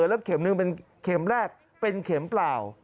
แล้วเข็มหนึ่งเป็นเข็มแรกเป็นเข็มเปล่า